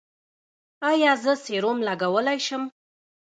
ایا زه سیروم لګولی شم؟